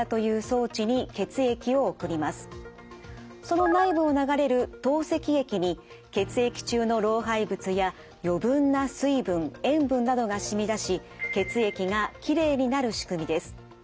その内部を流れる透析液に血液中の老廃物や余分な水分塩分などが染み出し血液がきれいになる仕組みです。